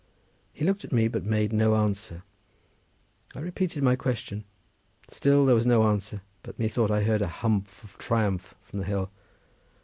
He looked at me, but made no answer. I repeated my question; still there was no answer, but methought I heard a humph of triumph from the hill.